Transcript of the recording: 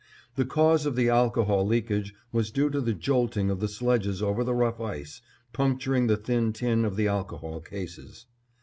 The cause of the alcohol leakage was due to the jolting of the sledges over the rough ice, puncturing the thin tin of the alcohol cases.